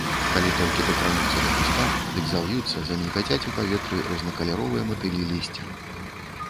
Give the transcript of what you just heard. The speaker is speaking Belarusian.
Калі толькі дакрануцца да куста, дык заўюцца, замільгацяць у паветры рознакаляровыя матылі лісця.